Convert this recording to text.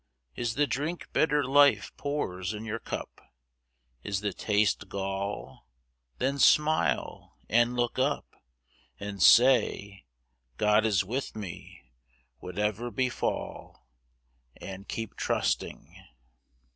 Is the drink bitter life pours in your cup— Is the taste gall? Then smile and look up And say 'God is with me whatever befall,' And keep trusting.